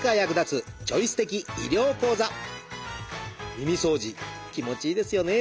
耳掃除気持ちいいですよね。